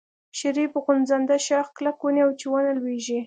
شريف خوځنده شاخ کلک ونيو چې ونه لوېږي.